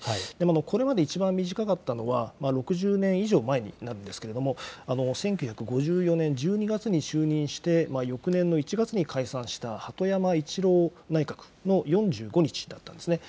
これまで一番短かったのは６０年以上前になるんですけれども、１９５４年１２月に就任して翌年の１月に解散した鳩山一郎内閣の４５日だったんですね。